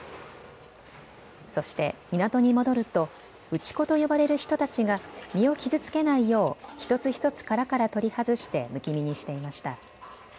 そして港に戻ると打ち子と呼ばれる人たちが身を傷つけないよう、一つ一つ殻から取り外してむき身にしていました。